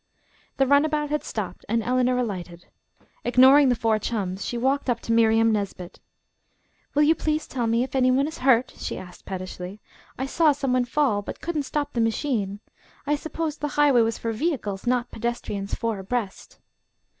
The runabout had stopped and Eleanor alighted. Ignoring the four chums, she walked up to Miriam Nesbit. "Will you please tell me if any one is hurt?" she asked pettishly. "I saw some one fall, but couldn't stop the machine. I supposed the highway was for vehicles, not pedestrians four abreast."